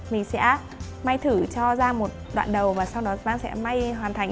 mình sẽ may thử cho giang một đoạn đầu và sau đó giang sẽ may hoàn thành nhé